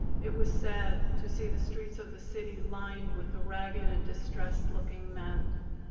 It was sad to see the streets of the city lined with the ragged and distressed looking men.